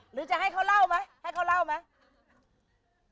หรือจะให้เขาเล่าไหมให้เขาเล่าไหม